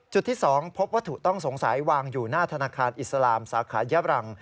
จุดที่๒พบวัตถุต้องสงสัยวางอยู่หน้าธนาคารอิสลามสาขายะบรัง